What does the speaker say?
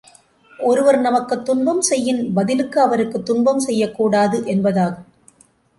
ஒருவர் நமக்குத் துன்பம் செய்யின், பதிலுக்கு அவருக்குத் துன்பம் செய்யக்கூடாது என்பதாகும்.